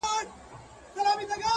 ځكه دنيا مي ته يې _